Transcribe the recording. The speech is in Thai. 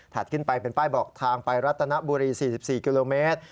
ขึ้นไปเป็นป้ายบอกทางไปรัตนบุรี๔๔กิโลเมตร